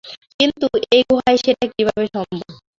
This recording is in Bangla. কিন্তু এই গুহায় সেটা কিভাবে সম্ভব?